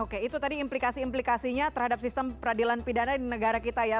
oke itu tadi implikasi implikasinya terhadap sistem peradilan pidana di negara kita ya